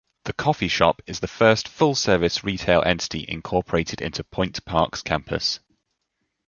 The coffee shop is the first full-service retail entity incorporated into Point Park's campus.